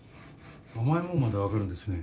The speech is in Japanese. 甘い物まで分かるんですね。